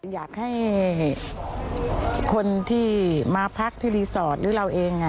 อยากให้คนที่มาพักที่รีสอร์ทหรือเราเอง